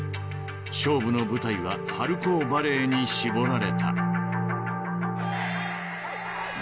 ［勝負の舞台は春高バレーに絞られた］